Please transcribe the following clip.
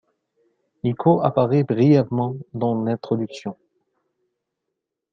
Niko apparaît brièvement dans l'introduction.